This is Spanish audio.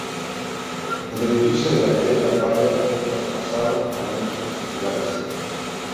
El edificio de la calle de la Palla fue traspasado a manos particulares.